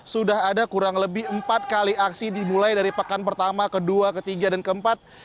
sudah ada kurang lebih empat kali aksi dimulai dari pekan pertama kedua ketiga dan keempat